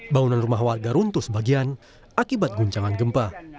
bangunan rumah warga runtuh sebagian akibat guncangan gempa